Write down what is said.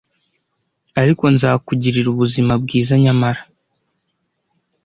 Ariko nzakugirira ubuzima bwiza nyamara,